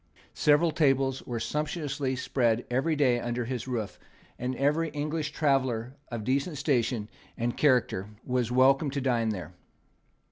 Several tables were sumptuously spread every day under his roof; and every English traveller of decent station and character was welcome to dine there.